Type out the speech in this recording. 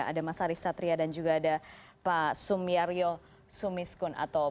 ada mas arief satria dan juga ada pak sumiarjo sumiskun